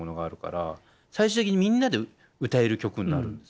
最終的にみんなで歌える曲になるんですよね。